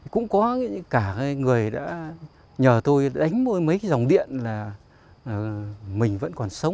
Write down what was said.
cũng có cả người đã nhờ tôi đánh mỗi mấy dòng điện là